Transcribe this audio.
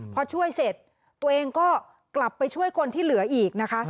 พอช่วยเสร็จตัวเองก็กลับไปช่วยคนที่เหลืออีกนะคะ